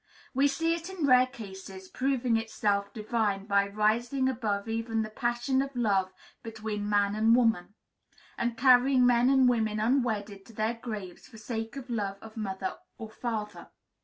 We see it in rare cases, proving itself divine by rising above even the passion of love between man and woman, and carrying men and women unwedded to their graves for sake of love of mother or father.